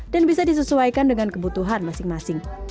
dan bisa disesuaikan dengan kebutuhan masing masing